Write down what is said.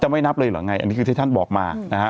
จะไม่นับเลยหรออันนี้คือที่ท่านบอกมา